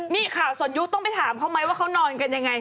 นี่ข่าวสนยุคต้องไปถามเขาไหมว่าเขานอนกันยังไง